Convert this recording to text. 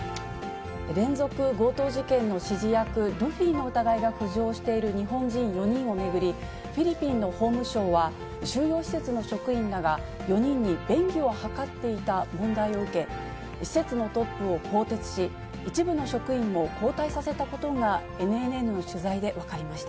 連続強盗事件の指示役、ルフィの疑いが浮上している日本人４人を巡り、フィリピンの法務省は、収容施設の職員らが、４人に便宜を図っていた問題を受け、施設のトップを更迭し、一部の職員も交代させたことが、ＮＮＮの取材で分かりました。